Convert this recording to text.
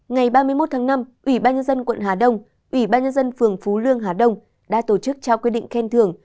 ngày ba mươi một tháng năm ủy ban nhân dân quận hà đông ủy ban nhân dân phường phú lương hà đông đã tổ chức trao quyết định khen thưởng